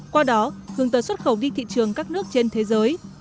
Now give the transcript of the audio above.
qua đó hướng tới xuất khẩu đi thị trường các nước trên thế giới